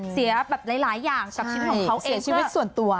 เสียแบบหลายอย่างกับชีวิตของเขาเองชีวิตส่วนตัว